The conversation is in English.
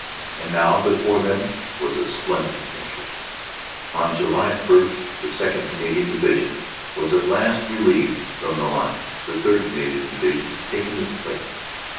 And now before them was a splendid adventure. On July 1, the 2nd. Canadian Division was at last relieved from the line, the 3rd. Canadian Division taking its place.